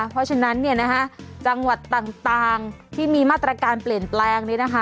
เพราะฉะนั้นจังหวัดต่างที่มีมาตรการเปลี่ยนแปลงนี้นะคะ